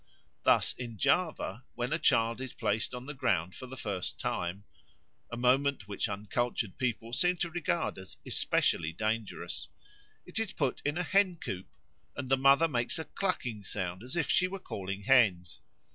Thus in Java when a child is placed on the ground for the first time (a moment which uncultured people seem to regard as especially dangerous), it is put in a hen coop and the mother makes a clucking sound, as if she were calling hens.